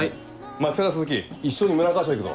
牧高鈴木一緒に村川署行くぞ。